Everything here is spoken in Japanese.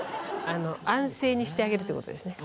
安静にしてあげるということですね。